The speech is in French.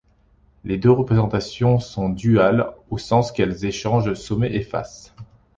Les deux représentations sont duales au sens qu'elles échangent sommets et faces.